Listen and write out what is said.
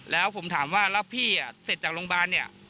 แล้วผมถามว่าพี่เจ็บจากโรงพยาบาล